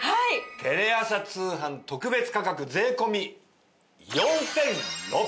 テレ朝通販特別価格税込４６００円です！